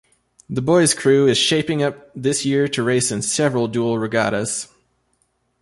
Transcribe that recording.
The boys crew is shaping up this year to race in several dual regattas.